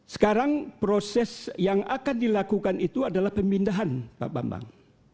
sekarang proses yang akan dilakukan itu adalah pemindahan pak bambang